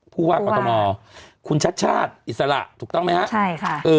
ผู้ว่ากรมศาลมอลคุณชัดชาติอิสระถูกต้องไหมครับ